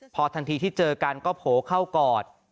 พอทันทีที่เจอกันก็โผล่เข้ากอด